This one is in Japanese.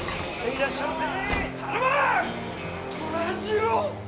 いらっしゃいませ！